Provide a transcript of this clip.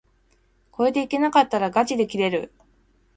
これでいけなかったらがちで切れる